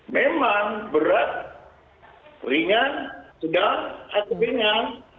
memang berat ringan sedang atau ringan